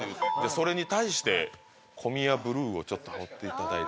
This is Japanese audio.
それに対してコミヤブルーをちょっと羽織っていただいて。